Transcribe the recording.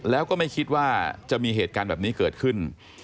แล้วก็ไม่คิดว่าจะมีเหตุการณ์แบบนี้เกิดขึ้น